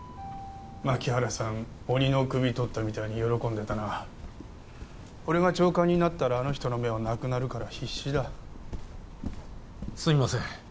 槇原さん鬼の首とったみたいに喜んでたな俺が長官になったらあの人の目はなくなるから必死だすいません